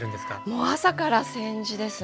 もう朝から千手ですね。